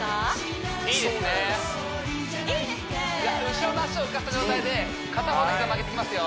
後ろの足を浮かせた状態で片方の膝曲げていきますよ